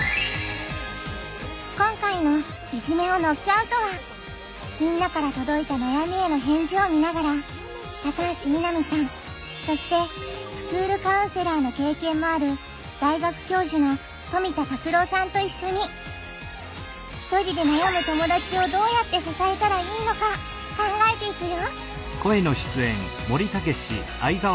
今回の「いじめをノックアウト」はみんなからとどいた悩みへの返事を見ながら高橋みなみさんそしてスクールカウンセラーの経験もある大学教授の富田拓郎さんといっしょにひとりで悩む友だちをどうやって支えたらいいのか考えていくよ